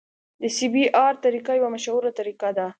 د سی بي ار طریقه یوه مشهوره طریقه ده